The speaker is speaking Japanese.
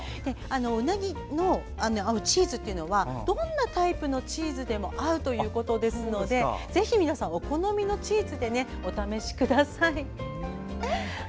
ウナギとチーズというのはどんなタイプのチーズでも合うということですのでぜひ皆さんお好みのチーズでお試しください。